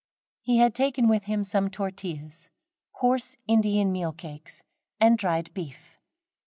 He had taken with him some tortillas (coarse Indian meal cakes) and dried beef.